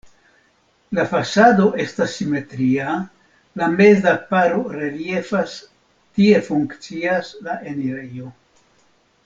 La fasado estas simetria, la meza paro reliefas, tie funkcias la enirejo.